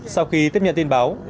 sau khi tiếp nhận tin báo